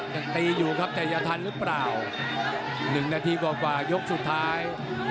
ยังตีอยู่ครับแต่จะทันหรือเปล่า๑นาทีกว่ายกสุดท้าย